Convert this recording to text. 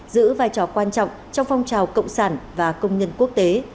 giữ vai trò quan trọng trong phong trào cộng sản và công nhân quốc tế